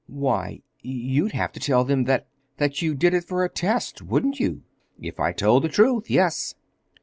"Why, you'd have to tell them that—that you did it for a test, wouldn't you?" "If I told the truth—yes."